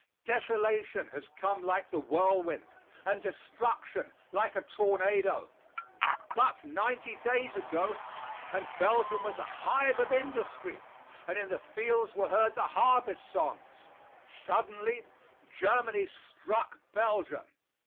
Desolation has come like the whirlwind, and destruction like a tornado. But ninety days ago and Belgium was a hive of industry, and in the fields were heard the harvest songs. Suddenly, Germany struck Belgium.